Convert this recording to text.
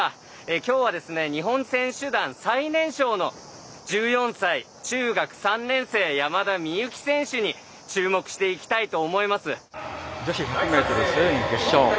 きょうは日本選手団最年少の１４歳、中学３年生の山田美幸選手に注目していきたいと思います。